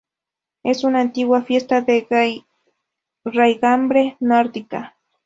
Es una antigua fiesta de raigambre nórdica.